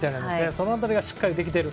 そこがしっかりできている。